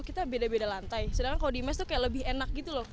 kita beda beda lantai sedangkan kalau di mes itu kayak lebih enak gitu loh